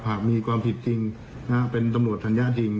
หากมีความผิดจริงนะเป็นตำโหลดฐัญญะจริง